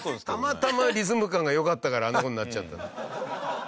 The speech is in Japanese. たまたまリズム感がよかったからあんなふうになっちゃった。